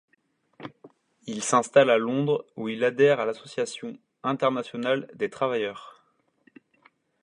Il s'installe à Londres où il adhère à l'Association internationale des travailleurs.